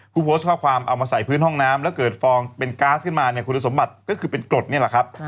ผู้โพสต์ข้อความเอามาใส่พื้นห้องน้ำแล้วเกิดฟองเป็นก๊าซขึ้นมาเนี่ยคุณสมบัติก็คือเป็นกรดนี่แหละครับ